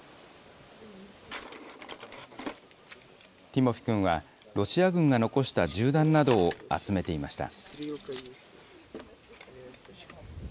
ティモフィ君は、ロシア軍が残した銃弾などを集めていました。